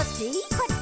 「こっち」